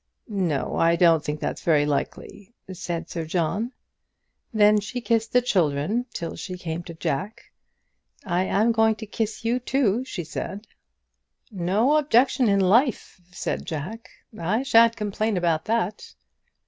"No; I don't think that's very likely," said Sir John. Then she kissed all the children, till she came to Jack. "I am going to kiss you, too," she said to him. "No objection in life," said Jack. "I sha'n't complain about that."